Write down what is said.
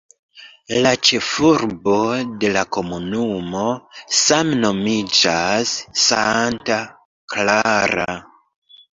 La ĉefurbo de la komunumo same nomiĝas "Santa Clara".